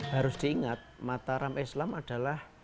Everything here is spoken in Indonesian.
harus diingat mataram islam adalah